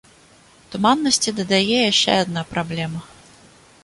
Туманнасці дадае яшчэ адна праблема.